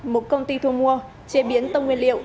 một công ty thu mua chế biến tôm nguyên liệu